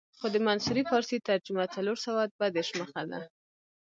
خو د منصوري فارسي ترجمه څلور سوه دوه دېرش مخه ده.